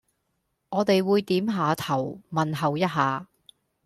我哋會點吓頭問候一吓